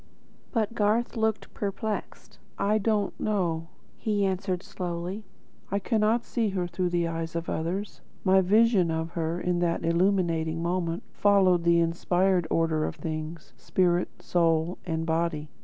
But Garth looked perplexed. "I do not know," he answered slowly. "I cannot see her through the eyes of others. My vision of her, in that illuminating moment, followed the inspired order of things, spirit, soul, and body.